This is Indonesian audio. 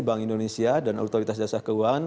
bank indonesia dan otoritas jasa keuangan